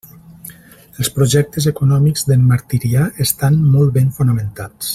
Els projectes econòmics d'en Martirià estan molt ben fonamentats.